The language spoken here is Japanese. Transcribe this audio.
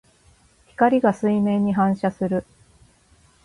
光が水面に反射する。